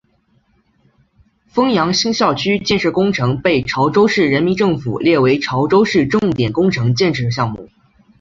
枫洋新校区建设工程被潮州市人民政府列为潮州市重点工程建设项目。